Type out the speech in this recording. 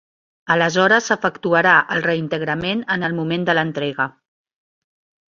Aleshores s'efectuarà el reintegrament en el moment de l'entrega.